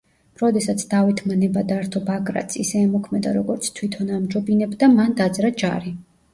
როდესაც დავითმა ნება დართო ბაგრატს ისე ემოქმედა, როგორც თვითონ ამჯობინებდა, მან დაძრა ჯარი.